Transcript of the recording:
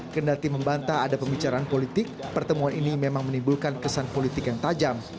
kendati membantah ada pembicaraan politik pertemuan ini memang menimbulkan kesan politik yang tajam